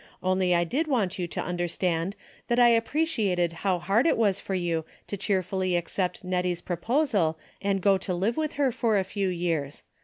Only I did want you to understand that I appreciated how hard it was for you to cheerfully accept Hettie's 98 A DAILY BATE. proposal and go to live Avith her for a few years.